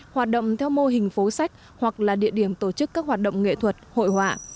hoạt động theo mô hình phố sách hoặc là địa điểm tổ chức các hoạt động nghệ thuật hội họa